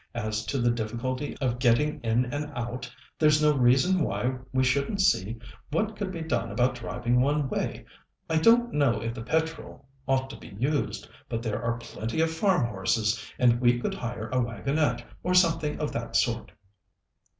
As to the difficulty of getting in and out, there's no reason why we shouldn't see what could be done about driving one way. I don't know if the petrol ought to be used, but there are plenty of farm horses, and we could hire a wagonette, or something of that sort."